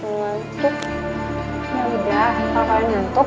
yaudah kalo kalian ngantuk